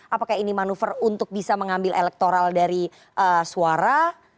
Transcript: apakah ini manuver untuk bisa mengambil elektoral dari suara